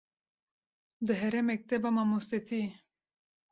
dihere mekteba mamostetiyê